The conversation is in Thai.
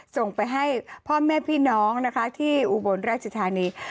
ส่งไปให้พ่อแม่พี่น้องนะคะที่อุบลราชธานี